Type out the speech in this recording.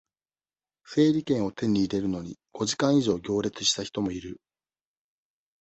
整理券を手に入れるのに、五時間以上行列した人もいる。